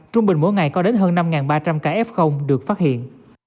trung bình mỗi ngày có đến hơn năm ba trăm linh ca f được phát hiện